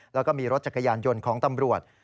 แล้วก็มีรถจักรยานยนต์ของตำรวจ